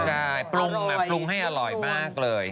ใช่ปรุงมาปรุงให้อร่อยมากเลย